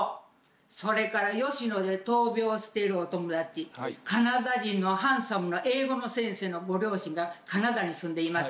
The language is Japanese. それから吉野で闘病しているお友達カナダ人のハンサムな英語の先生のご両親がカナダに住んでいます。